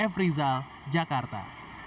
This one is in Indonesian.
f rizal jakarta